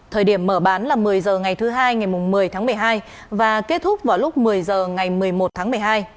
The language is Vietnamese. thời điểm mở bán là một mươi h ngày thứ hai ngày một mươi tháng một mươi hai và kết thúc vào lúc một mươi h ngày một mươi một tháng một mươi hai